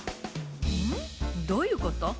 うん？どういうこと？